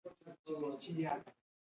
خور له کورنۍ سره ښه چلند کوي.